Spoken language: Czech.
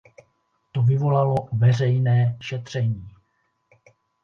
To vyvolalo veřejné šetření.